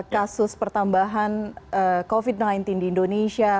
kasus pertambahan covid sembilan belas di indonesia